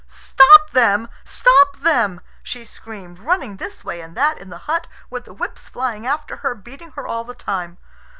"Stop them! Stop them!" she screamed, running this way and that in the hut, with the whips flying after her beating her all the time.